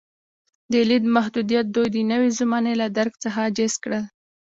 د لید محدودیت دوی د نوې زمانې له درک څخه عاجز کړل.